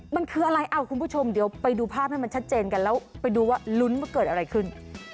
มันคืออะไรเอ้าคุณผู้ชมเดี๋ยวไปดูภาพให้มันชัดเจนกันแล้วไปดูว่าลุ้นว่าเกิดอะไรขึ้น